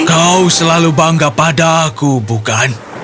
kau selalu bangga padaku bukan